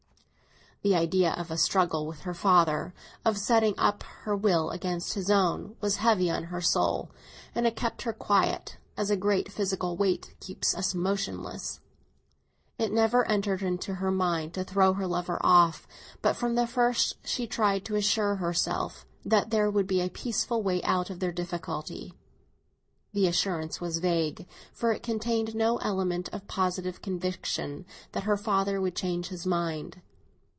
The idea of a struggle with her father, of setting up her will against his own, was heavy on her soul, and it kept her formally submissive, as a great physical weight keeps us motionless. It never entered into her mind to throw her lover off; but from the first she tried to assure herself that there would be a peaceful way out of their difficulty. The assurance was vague, for it contained no element of positive conviction that her father would change his mind.